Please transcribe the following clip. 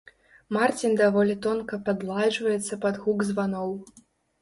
Марцін даволі тонка падладжваецца пад гук званоў.